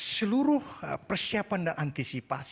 seluruh persiapan dan antisipasi